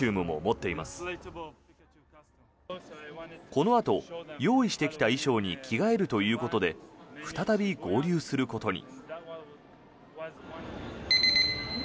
このあと、用意してきた衣装に着替えるということで再び合流することに。